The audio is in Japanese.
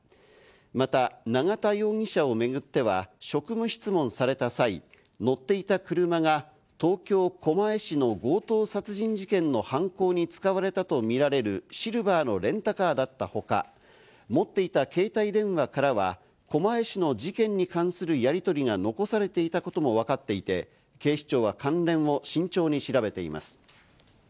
また永田容疑者をめぐっては、職務質問された際、乗っていた車が東京・狛江市の強盗殺人事件の犯行に使われたとみられるシルバーのレンタカーだったほか、持っていた携帯電話からは狛江市の事件に関するやりとりが残されていたことも分かっていて、警視庁は関連を慎重に調べています。